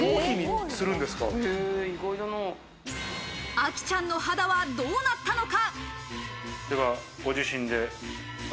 あきちゃんの肌はどうなったのか？